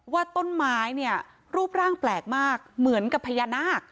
ว่าต้นไม้เนี่ยรูปร่างแปลกมากเหมือนกับพญานาค